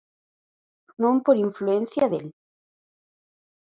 Non por influencia del.